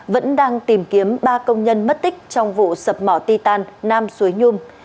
vẫn đang tìm kiếm ba công nhân mất tích trong vụ sập mỏ ti tan nam suối nhung